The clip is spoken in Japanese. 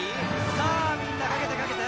さあみんな賭けて賭けて！